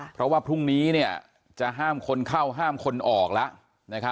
เพราะว่าพรุ่งนี้จะห้ามคนเข้าห้ามคนออกแล้ว